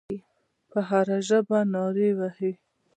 په هره ژبه نارې وهي.